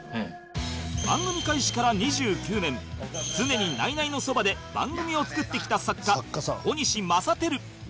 番組開始から２９年常にナイナイのそばで番組を作ってきた作家小西マサテル